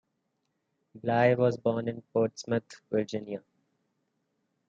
Bly was born in Portsmouth, Virginia.